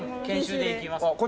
研修で行きます。